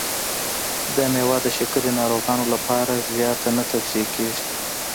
دا مېوه د شکرې ناروغانو لپاره زیاته نه توصیه کېږي.